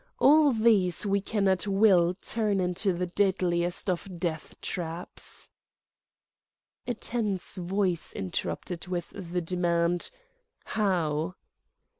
All these we can at will turn into the deadliest of death traps." A tense voice interrupted with the demand: "How?"